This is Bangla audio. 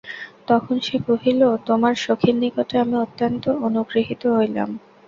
তখন সে কহিল, তোমার সখীর নিকটে আমি অত্যন্ত অনুগৃহীত হইলাম।